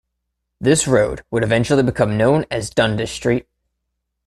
This road would eventually become known as Dundas Street.